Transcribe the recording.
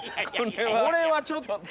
これはちょっと。